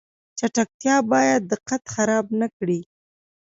چټکتیا باید دقت خراب نکړي